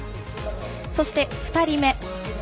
そして２人目。